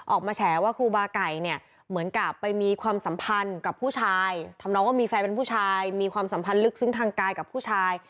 แฉว่าครูบาไก่เนี่ยเหมือนกับไปมีความสัมพันธ์กับผู้ชายทำน้องว่ามีแฟนเป็นผู้ชายมีความสัมพันธ์ลึกซึ้งทางกายกับผู้ชาย